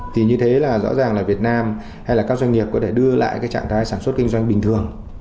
thì như thế là rõ ràng là việt nam hay là các doanh nghiệp có thể đưa lại cái trạng thái sản xuất kinh doanh bình thường